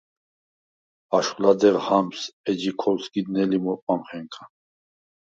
აშხვ ლადეღ ჰამს ეჯი ქოლსგიდნელი მურყვამხენქა.